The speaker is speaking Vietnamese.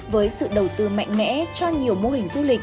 với sự đầu tư mạnh mẽ cho nhiều mô hình du lịch